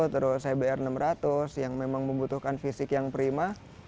terus saya br enam ratus yang memang membutuhkan fisik yang prima